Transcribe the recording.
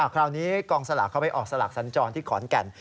คราวนี้กองสลากเขาไปออกสลากสัญจรที่ขอนแก่น